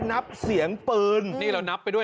นี่คือกล้องวงจอปิดของชาวบ้านในซอย๑